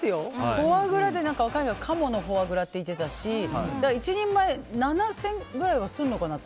フォアグラで、しかもカモのフォアグラって言ってたし１人前７０００円くらいはするのかなと。